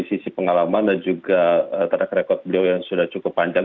sisi pengalaman dan juga track record beliau yang sudah cukup panjang